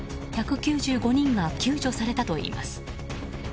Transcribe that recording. １９５人が救助されたといいます。